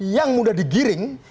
yang mudah digiring